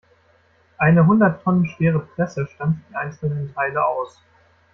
Eine hundert Tonnen schwere Presse stanzt die einzelnen Teile aus.